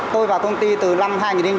tôi vào công ty từ năm hai nghìn bảy